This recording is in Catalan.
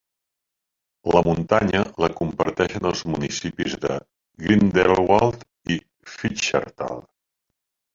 La muntanya la comparteixen els municipis de Grindelwald i Fieschertal.